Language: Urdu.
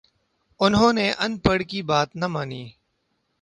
انہوں نے اَن پڑھ کی بات نہ مانی